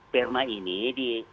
permanya ini dilahirkan